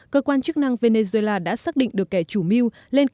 cơ quan chức năng venezuela đã xác định được kẻ chủ quyền của tổng thống nicolás manduró